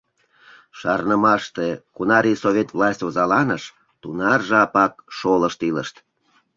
Шарнымаште, кунар ий Совет власть озаланыш, тунар жапак шолышт илышт.